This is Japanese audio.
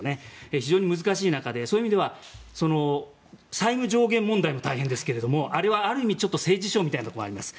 非常に難しい中で債務上限問題も大変ですけどあれはある意味政治ショーみたいなところもあります。